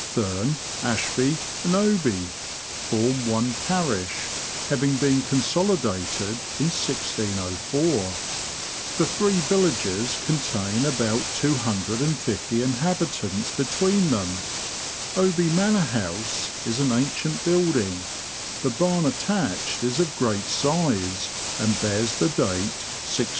Thurne, Ashby, and Oby form one parish, having been consolidated in 1604. The three villages contain about 250 inhabitants between them. Oby Manor House is an ancient building; the barn attached is of great size, and bears the date 1622.